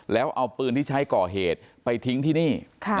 แล้วเอาปืนที่ใช้ก่อเหตุไปทิ้งที่นี่